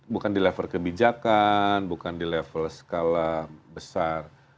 bukan di level kebijakan bukan di level skala besar